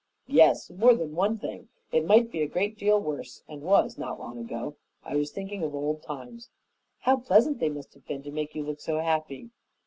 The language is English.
"Yes, more than one thing. It might be a great deal worse, and was, not long ago. I was thinking of old times." "How pleasant they must have been to make you look so happy!"